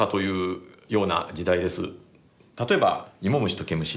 例えば「イモムシとケムシ」。